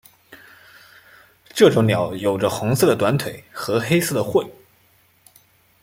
这种鸟有着红色的短腿和黑色的喙。